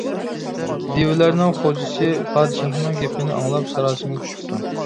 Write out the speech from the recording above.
دىۋىلەرنىڭ خوجىسى پادىشاھنىڭ گېپىنى ئاڭلاپ ساراسىمىگە چۈشۈپتۇ.